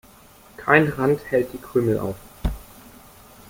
Kein Rand hält die Krümel auf.